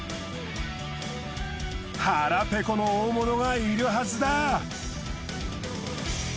腹ペコの大物がいるはずだ！